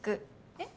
えっ？